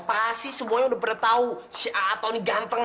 pasti semua yang udah pernah tahu si a'a tony gantengnya